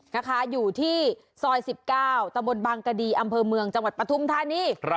นะคะอยู่ที่ซอย๑๙ตะบนบางกดีอำเภอเมืองจังหวัดปฐุมธานี